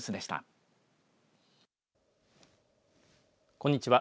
こんにちは。